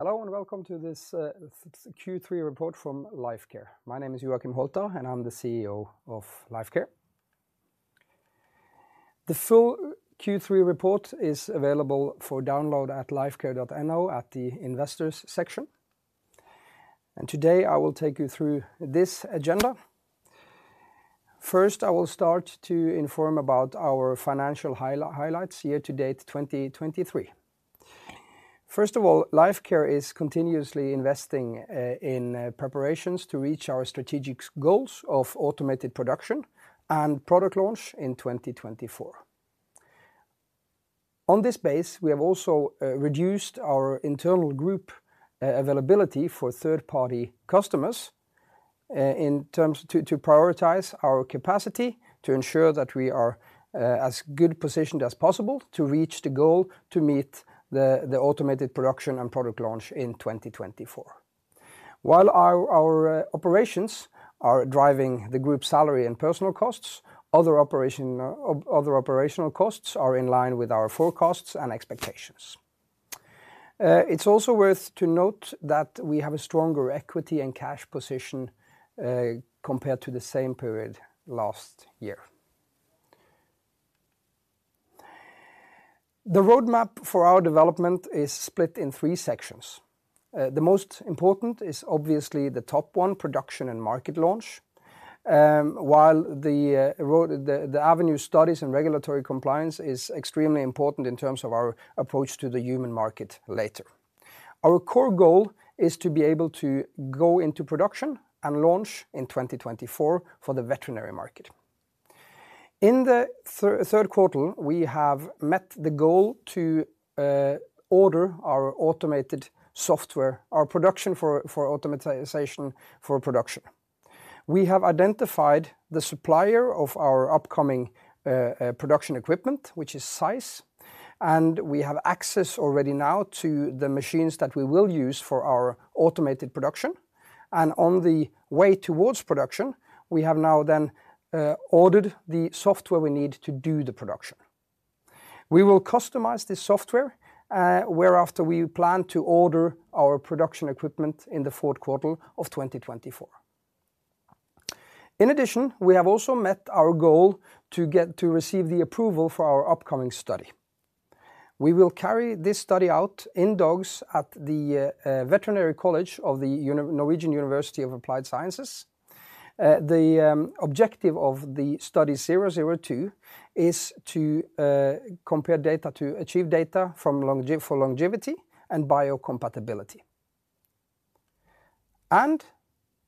Hello, and welcome to this Q3 report from Lifecare. My name is Joacim Holter, and I'm the CEO of Lifecare. The full Q3 report is available for download at lifecare.no, at the investors section. Today, I will take you through this agenda. First, I will start to inform about our financial highlights year-to-date 2023. First of all, Lifecare is continuously investing in preparations to reach our strategic goals of automated production and product launch in 2024. On this base, we have also reduced our internal group availability for third-party customers in terms to prioritize our capacity, to ensure that we are as good positioned as possible to reach the goal to meet the automated production and product launch in 2024. While our operations are driving the group's salary and personal costs, other operational costs are in line with our forecasts and expectations. It's also worth to note that we have a stronger equity and cash position, compared to the same period last year. The roadmap for our development is split in three sections. The most important is obviously the top one, production and market launch. While the in vivo studies and regulatory compliance is extremely important in terms of our approach to the human market later. Our core goal is to be able to go into production and launch in 2024 for the veterinary market. In the third quarter, we have met the goal to order our automated software for production automation. We have identified the supplier of our upcoming production equipment, which is size, and we have access already now to the machines that we will use for our automated production. On the way towards production, we have now then ordered the software we need to do the production. We will customize this software, whereafter we plan to order our production equipment in the fourth quarter of 2024. In addition, we have also met our goal to get to receive the approval for our upcoming study. We will carry this study out in dogs at the Veterinary College of the Norwegian University of Life Sciences. The objective of the study 002 is to compare data to achieve data from for longevity and biocompatibility.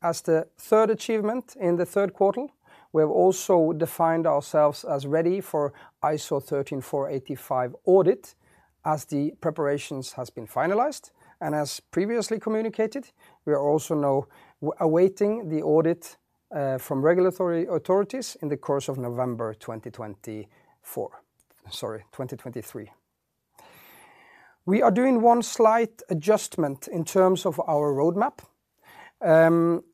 As the third achievement in the third quarter, we have also defined ourselves as ready for ISO 13485 audit, as the preparations has been finalized, and as previously communicated, we are also now awaiting the audit from regulatory authorities in the course of November 2024... sorry, 2023. We are doing one slight adjustment in terms of our roadmap.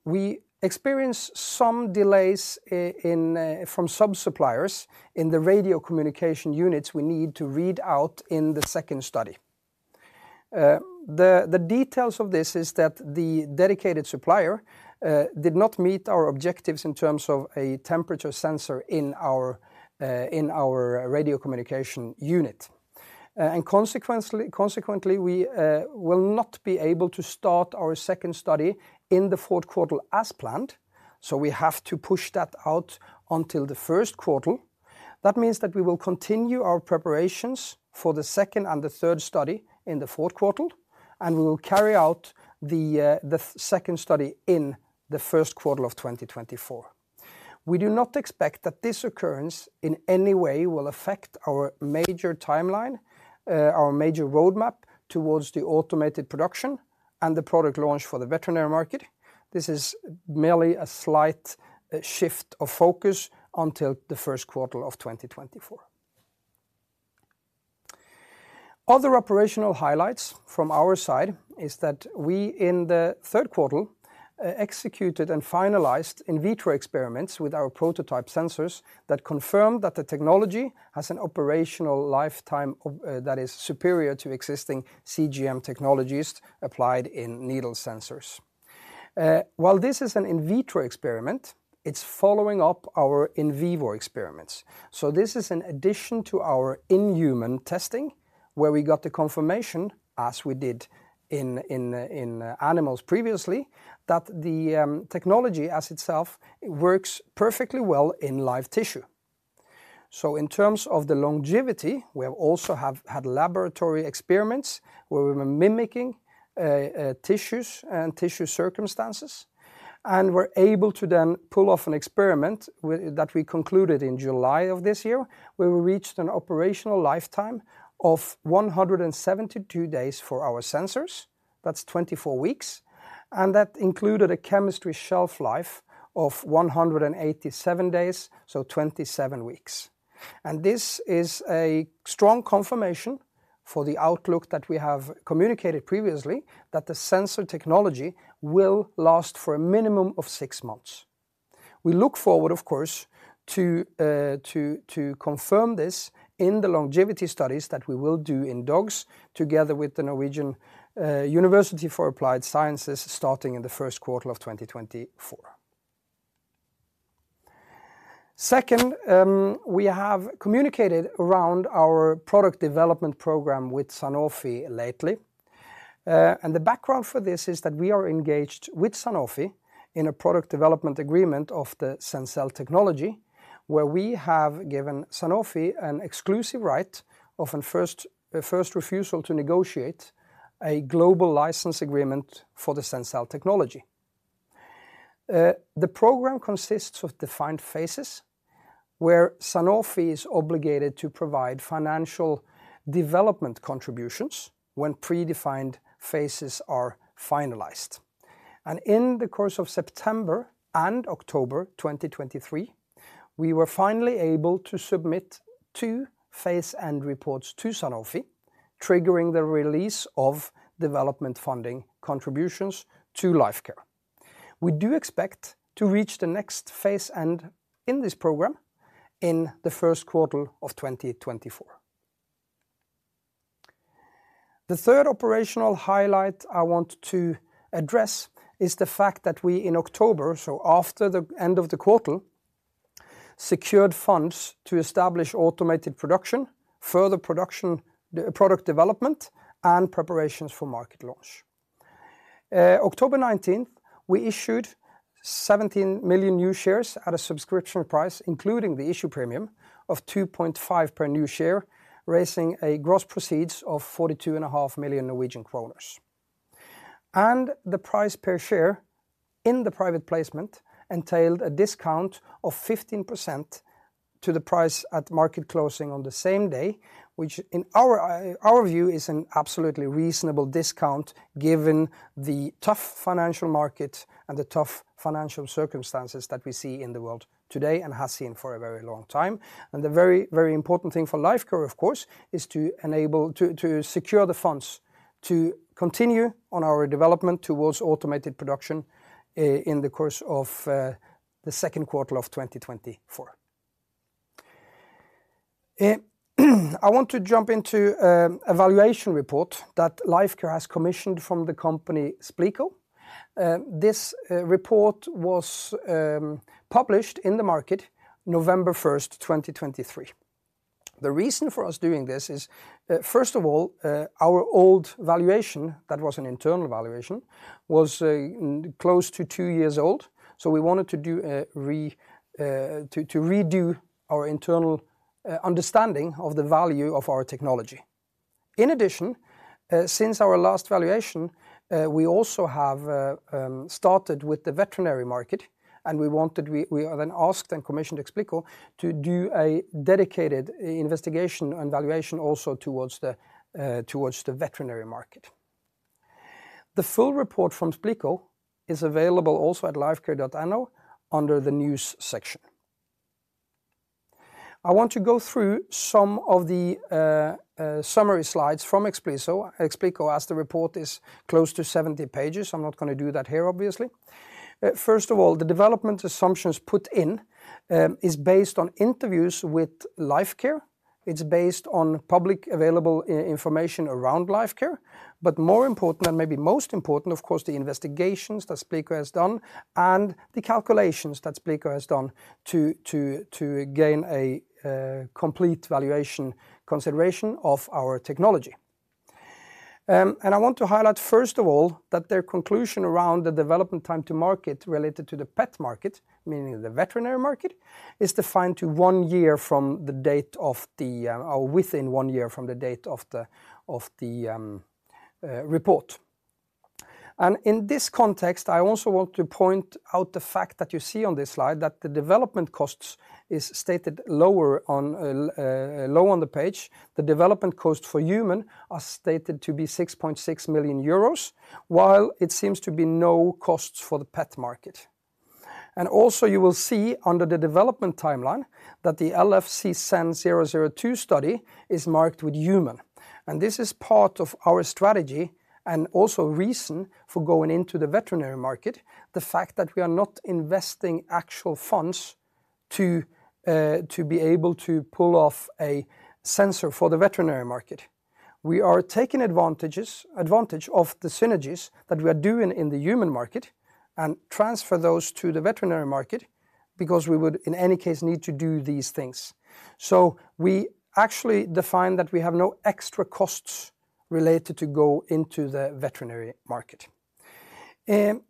We experienced some delays in from some suppliers in the radio communication units we need to read out in the second study. The details of this is that the dedicated supplier did not meet our objectives in terms of a temperature sensor in our radio communication unit. Consequentially, consequently, we will not be able to start our second study in the fourth quarter as planned, so we have to push that out until the first quarter. That means that we will continue our preparations for the second and the third study in the fourth quarter, and we will carry out the second study in the first quarter of 2024. We do not expect that this occurrence in any way will affect our major timeline, our major roadmap towards the automated production and the product launch for the veterinary market. This is merely a slight shift of focus until the first quarter of 2024. Other operational highlights from our side is that we, in the third quarter, executed and finalized in vitro experiments with our prototype sensors that confirmed that the technology has an operational lifetime of that is superior to existing CGM technologies applied in needle sensors. While this is an in vitro experiment, it's following up our in vivo experiments, so this is an addition to our in-human testing, where we got the confirmation, as we did in animals previously, that the technology as itself works perfectly well in live tissue. So in terms of the longevity, we have also had laboratory experiments, where we were mimicking tissues and tissue circumstances, and were able to then pull off an experiment that we concluded in July of this year, where we reached an operational lifetime of 172 days for our sensors. That's 24 weeks, and that included a chemistry shelf life of 187 days, so 27 weeks. And this is a strong confirmation for the outlook that we have communicated previously, that the sensor technology will last for a minimum of six months. We look forward, of course, to confirm this in the longevity studies that we will do in dogs, together with the Norwegian University of Life Sciences, starting in the first quarter of 2024. Second, we have communicated around our product development program with Sanofi lately. The background for this is that we are engaged with Sanofi in a product development agreement of the Sencell technology, where we have given Sanofi an exclusive right of first refusal to negotiate a global license agreement for the Sencell technology. The program consists of defined phases, where Sanofi is obligated to provide financial development contributions when predefined phases are finalized. In the course of September and October 2023, we were finally able to submit two phase-end reports to Sanofi, triggering the release of development funding contributions to Lifecare. We do expect to reach the next phase end in this program, in the first quarter of 2024. The third operational highlight I want to address is the fact that we, in October, so after the end of the quarter, secured funds to establish automated production, further production, the product development, and preparations for market launch. October 19th, we issued 17 million new shares at a subscription price, including the issue premium of 2.5 per new share, raising a gross proceeds of 42.5 million Norwegian kroner. The price per share in the private placement entailed a discount of 15% to the price at market closing on the same day, which in our view, is an absolutely reasonable discount, given the tough financial market and the tough financial circumstances that we see in the world today and has seen for a very long time. And the very, very important thing for Lifecare, of course, is to enable to secure the funds to continue on our development towards automated production in the course of the second quarter of 2024. I want to jump into a valuation report that Lifecare has commissioned from the company Xplico. This report was published in the market November 1, 2023. The reason for us doing this is, first of all, our old valuation, that was an internal valuation, was close to two years old, so we wanted to redo our internal understanding of the value of our technology. In addition, since our last valuation, we also have started with the veterinary market, and we wanted... We then asked and commissioned Xplico to do a dedicated investigation and valuation also towards the veterinary market. The full report from Xplico is available also at lifecare.no, under the News section. I want to go through some of the summary slides from Xplico. Xplico, as the report is close to 70 pages, I'm not going to do that here, obviously. First of all, the development assumptions put in is based on interviews with Lifecare. It's based on public available information around Lifecare, but more important, and maybe most important, of course, the investigations that Xplico has done and the calculations that Xplico has done to gain a complete valuation consideration of our technology. I want to highlight, first of all, that their conclusion around the development time to market related to the pet market, meaning the veterinary market, is defined to one year from the date of the report or within one year from the date of the report. In this context, I also want to point out the fact that you see on this slide that the development costs is stated lower on the page. The development costs for human are stated to be 6.6 million euros, while it seems to be no costs for the pet market. Also, you will see under the development timeline that the LFC-SEN-002 study is marked with human, and this is part of our strategy and also reason for going into the veterinary market. The fact that we are not investing actual funds to be able to pull off a sensor for the veterinary market. We are taking advantage of the synergies that we are doing in the human market and transfer those to the veterinary market, because we would, in any case, need to do these things. So we actually define that we have no extra costs related to go into the veterinary market. And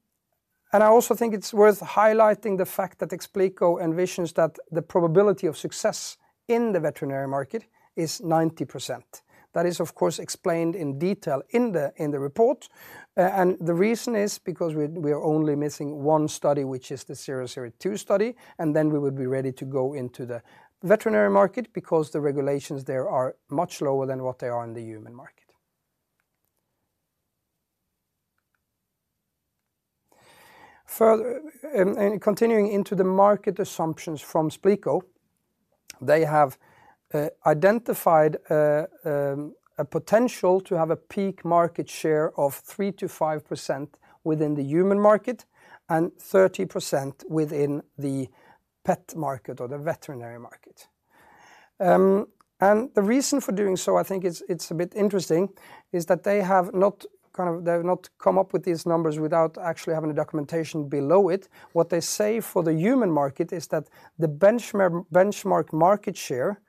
I also think it's worth highlighting the fact that Xplico envisions that the probability of success in the veterinary market is 90%. That is, of course, explained in detail in the report. And the reason is because we, we are only missing one study, which is the 002 study, and then we would be ready to go into the veterinary market because the regulations there are much lower than what they are in the human market. And continuing into the market assumptions from Xplico. They have identified a potential to have a peak market share of 3%-5% within the human market and 30% within the pet market or the veterinary market. And the reason for doing so, I think it's, it's a bit interesting, is that they have not kind of, they've not come up with these numbers without actually having a documentation below it. What they say for the human market is that the benchmark market share,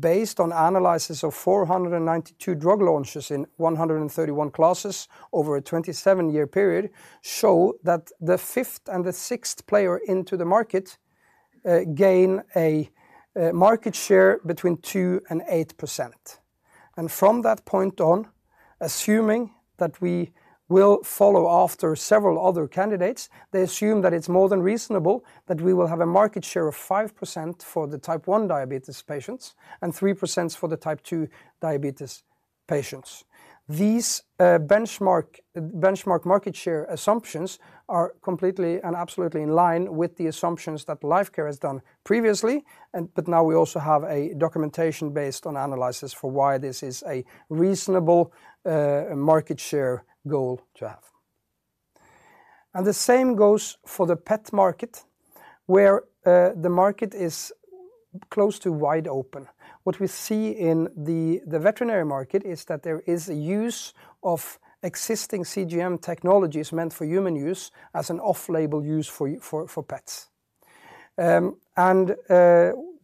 based on analysis of 492 drug launches in 131 classes over a 27-year period, show that the fifth and the sixth player into the market gain a market share between 2% and 8%. And from that point on, assuming that we will follow after several other candidates, they assume that it's more than reasonable that we will have a market share of 5% for the Type one diabetes patients and 3% for the Type two diabetes patients. These benchmark market share assumptions are completely and absolutely in line with the assumptions that Lifecare has done previously, and but now we also have a documentation based on analysis for why this is a reasonable market share goal to have. And the same goes for the pet market, where the market is close to wide open. What we see in the veterinary market is that there is a use of existing CGM technologies meant for human use as an off-label use for pets.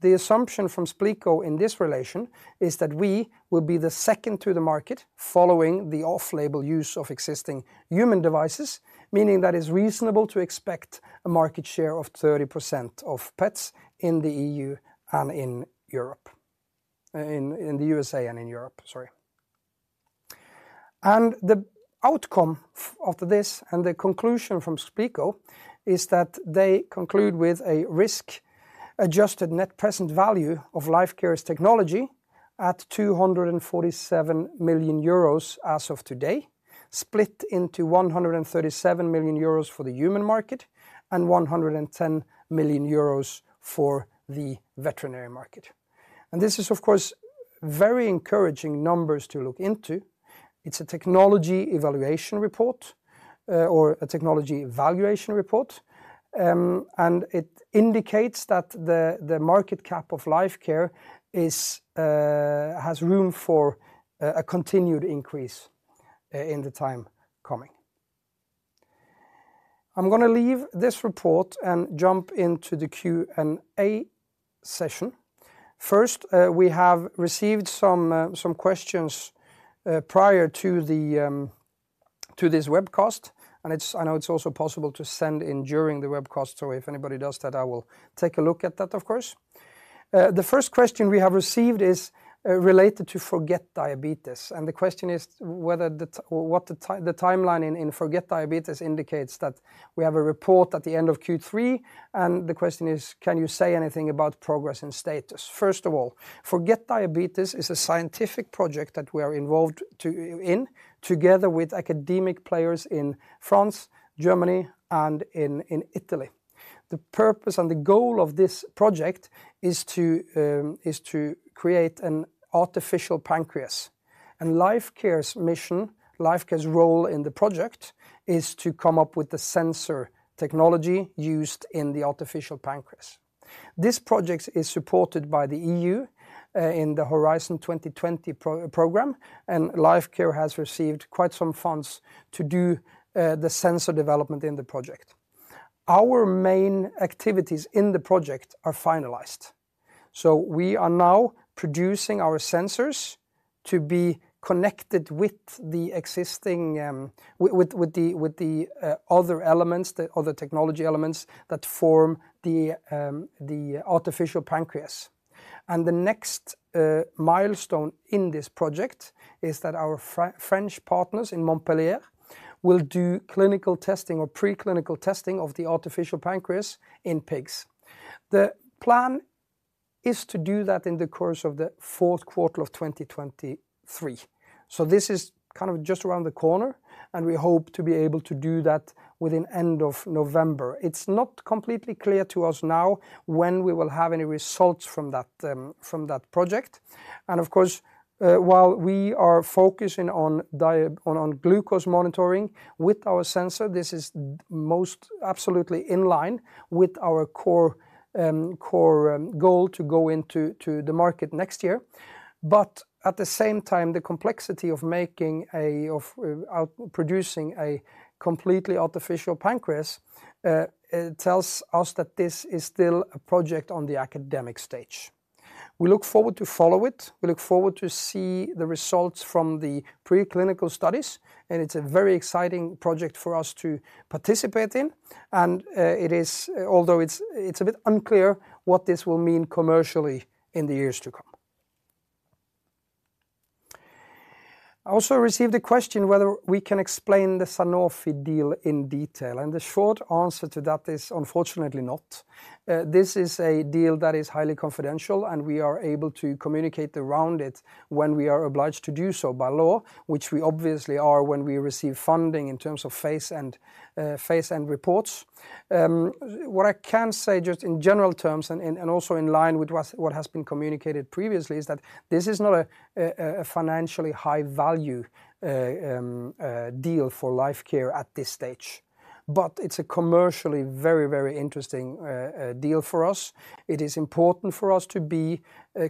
The assumption from Xplico in this relation is that we will be the second to the market, following the off-label use of existing human devices, meaning that it's reasonable to expect a market share of 30% of pets in the EU and in Europe, in the USA and in Europe, sorry. The outcome of this, and the conclusion from Xplico, is that they conclude with a risk-adjusted net present value of Lifecare's technology at 247 million euros as of today, split into 137 million euros for the human market and 110 million euros for the veterinary market. This is, of course, very encouraging numbers to look into. It's a technology evaluation report or a technology valuation report, and it indicates that the market cap of Lifecare is has room for a continued increase in the time coming. I'm gonna leave this report and jump into the Q and A session. First, we have received some questions prior to this webcast, and it's... I know it's also possible to send in during the webcast, so if anybody does that, I will take a look at that, of course. The first question we have received is related to Forget Diabetes, and the question is whether what the timeline in Forget Diabetes indicates that we have a report at the end of Q3, and the question is: "Can you say anything about progress and status?" First of all, Forget Diabetes is a scientific project that we are involved in, together with academic players in France, Germany, and in Italy. The purpose and the goal of this project is to create an artificial pancreas. Lifecare's mission, Lifecare's role in the project, is to come up with the sensor technology used in the artificial pancreas. This project is supported by the EU, in the Horizon 2020 program, and Lifecare has received quite some funds to do the sensor development in the project. Our main activities in the project are finalized, so we are now producing our sensors to be connected with the existing, with the other elements, the other technology elements that form the artificial pancreas. The next milestone in this project is that our French partners in Montpellier will do clinical testing or preclinical testing of the artificial pancreas in pigs. The plan is to do that in the course of the fourth quarter of 2023. This is kind of just around the corner, and we hope to be able to do that within end of November. It's not completely clear to us now when we will have any results from that, from that project. Of course, while we are focusing on glucose monitoring with our sensor, this is most absolutely in line with our core goal to go into the market next year. At the same time, the complexity of producing a completely artificial pancreas tells us that this is still a project on the academic stage. We look forward to follow it. We look forward to see the results from the preclinical studies, and it's a very exciting project for us to participate in, and although it's a bit unclear what this will mean commercially in the years to come. I also received a question whether we can explain the Sanofi deal in detail, and the short answer to that is unfortunately not. This is a deal that is highly confidential, and we are able to communicate around it when we are obliged to do so by law, which we obviously are, when we receive funding in terms of phase and reports. What I can say, just in general terms, and also in line with what has been communicated previously, is that this is not a financially high-value deal for Lifecare at this stage, but it's a commercially very, very interesting deal for us. It is important for us to be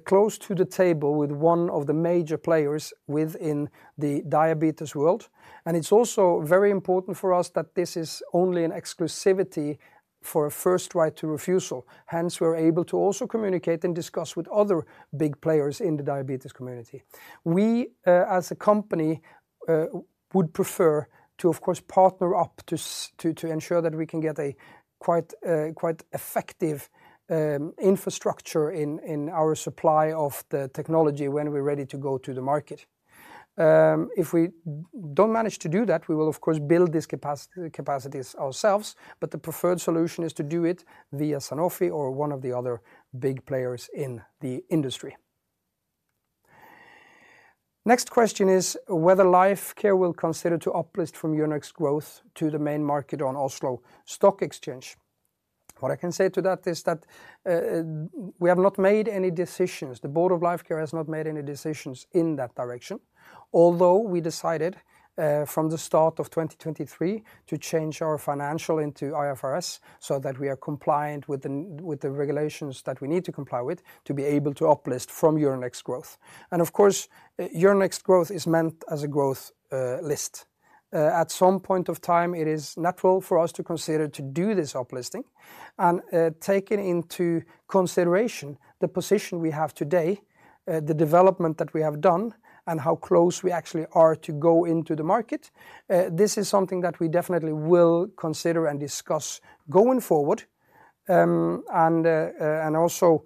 close to the table with one of the major players within the diabetes world, and it's also very important for us that this is only an exclusivity for a first right to refusal. Hence, we're able to also communicate and discuss with other big players in the diabetes community. We, as a company, would prefer to, of course, partner up to ensure that we can get a quite effective infrastructure in our supply of the technology when we're ready to go to the market. If we don't manage to do that, we will of course build this capacities ourselves, but the preferred solution is to do it via Sanofi or one of the other big players in the industry. Next question is whether Lifecare will consider to uplist from Euronext Growth to the main market on Oslo Stock Exchange. What I can say to that is that, we have not made any decisions. The board of Lifecare has not made any decisions in that direction. Although we decided, from the start of 2023 to change our financial into IFRS, so that we are compliant with the regulations that we need to comply with, to be able to uplist from Euronext Growth. And of course, Euronext Growth is meant as a growth, list. At some point of time, it is natural for us to consider to do this uplisting. Taking into consideration the position we have today, the development that we have done and how close we actually are to go into the market, this is something that we definitely will consider and discuss going forward. Also,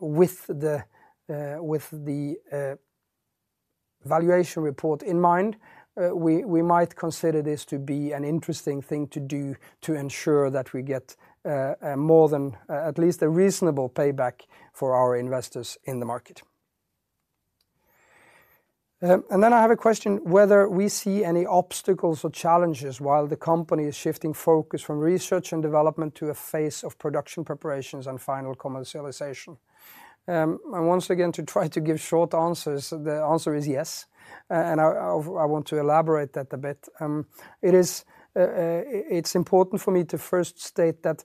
with the valuation report in mind, we might consider this to be an interesting thing to do to ensure that we get more than at least a reasonable payback for our investors in the market. Then I have a question, whether we see any obstacles or challenges while the company is shifting focus from research and development to a phase of production preparations and final commercialization. Once again, to try to give short answers, the answer is yes, and I want to elaborate that a bit. It's important for me to first state that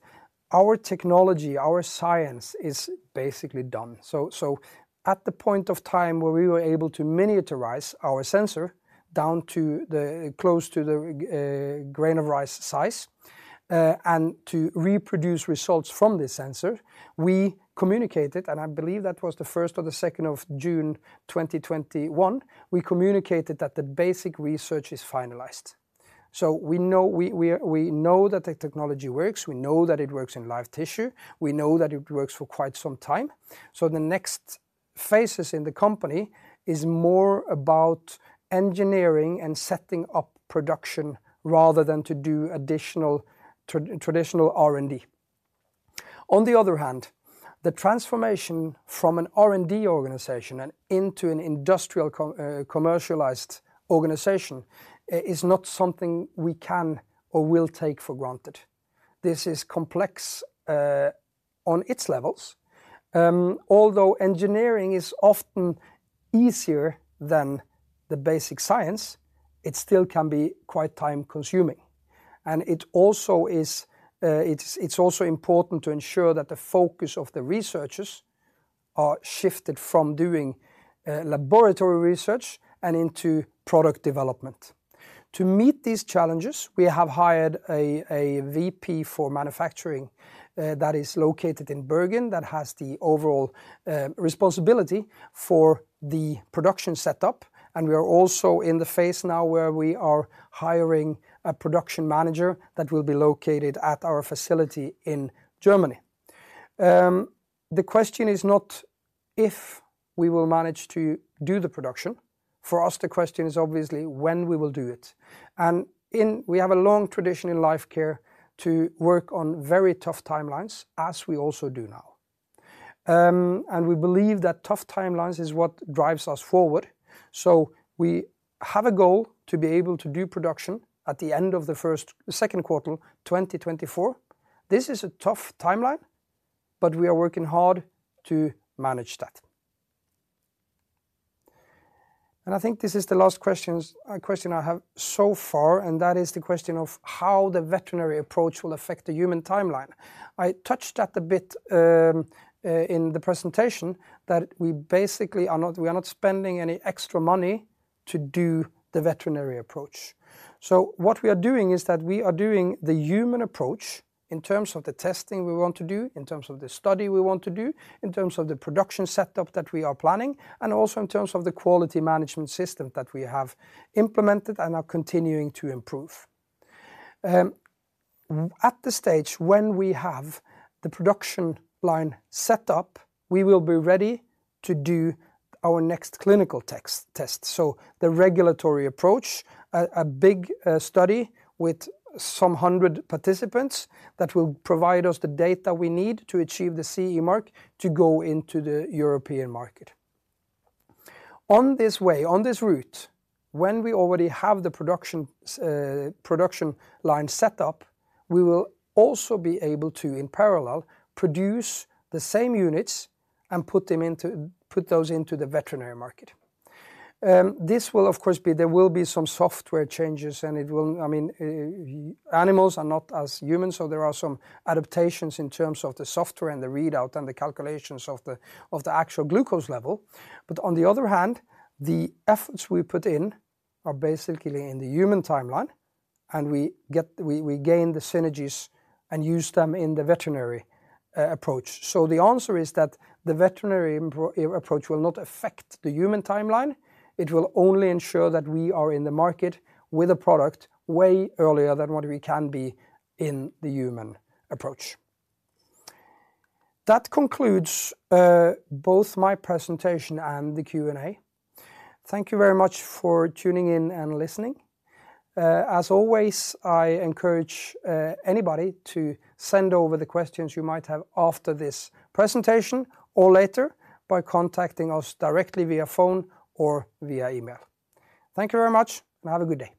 our technology, our science, is basically done. So at the point of time where we were able to miniaturize our sensor down to close to the grain of rice size, and to reproduce results from this sensor, we communicated, and I believe that was the first or the second of June 2021, we communicated that the basic research is finalized. So we know that the technology works. We know that it works in live tissue. We know that it works for quite some time. So the next phases in the company is more about engineering and setting up production rather than to do additional traditional R&D. On the other hand, the transformation from an R&D organization and into an industrial, commercialized organization is not something we can or will take for granted. This is complex on its levels. Although engineering is often easier than the basic science, it still can be quite time-consuming, and it also is, it's also important to ensure that the focus of the researchers are shifted from doing laboratory research and into product development. To meet these challenges, we have hired a VP for manufacturing that is located in Bergen that has the overall responsibility for the production setup, and we are also in the phase now where we are hiring a production manager that will be located at our facility in Germany. The question is not if we will manage to do the production. For us, the question is obviously when we will do it. We have a long tradition in Lifecare to work on very tough timelines, as we also do now. We believe that tough timelines is what drives us forward, so we have a goal to be able to do production at the end of the second quarter, 2024. This is a tough timeline, but we are working hard to manage that. I think this is the last question I have so far, and that is the question of how the veterinary approach will affect the human timeline. I touched on it a bit in the presentation, that we basically are not spending any extra money to do the veterinary approach. So what we are doing is that we are doing the human approach in terms of the testing we want to do, in terms of the study we want to do, in terms of the production setup that we are planning, and also in terms of the quality management system that we have implemented and are continuing to improve. At the stage when we have the production line set up, we will be ready to do our next clinical test, so the regulatory approach, a big study with some hundred participants that will provide us the data we need to achieve the CE mark to go into the European market. On this way, on this route, when we already have the production line set up, we will also be able to, in parallel, produce the same units and put those into the veterinary market. This will of course be. There will be some software changes, and it will, I mean, animals are not as humans, so there are some adaptations in terms of the software and the readout and the calculations of the actual glucose level. But on the other hand, the efforts we put in are basically in the human timeline, and we gain the synergies and use them in the veterinary approach. So the answer is that the veterinary approach will not affect the human timeline. It will only ensure that we are in the market with a product way earlier than what we can be in the human approach. That concludes both my presentation and the Q&A. Thank you very much for tuning in and listening. As always, I encourage anybody to send over the questions you might have after this presentation or later by contacting us directly via phone or via email. Thank you very much, and have a good day.